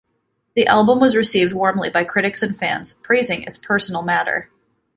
The album was received warmly by critics and fans, praising its personal matter.